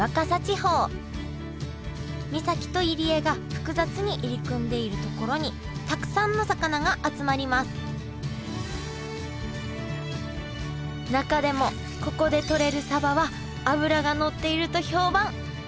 岬と入り江が複雑に入り組んでいる所にたくさんの魚が集まります中でもここでとれるサバは脂がのっていると評判。